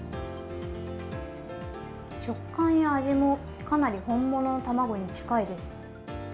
食感や味も、かなり本物の卵に近いです。